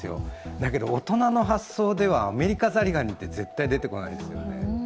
だけど大人の発想ではアメリカザリガニって絶対出てこないですよね。